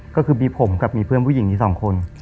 ก็คือมีผมกับมีเพื่อนผู้หญิงมี๒คน